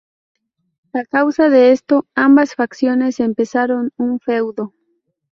A causa de esto, ambas facciones empezaron un feudo.